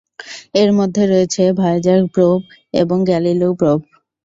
এর মধ্যে রয়েছে ভয়েজার প্রোব এবং গ্যালিলিও প্রোব।